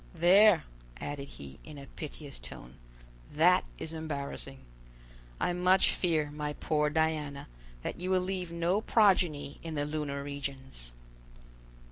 There," added he, in a piteous tone, "that is embarrassing. I much fear, my poor Diana, that you will leave no progeny in the lunar regions!"